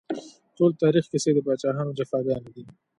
ټول تاريخ کيسې د پاچاهانو جفاګانې دي